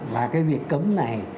và cái việc cấm này